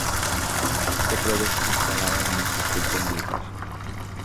Se produjo una escalada en un conflicto militar.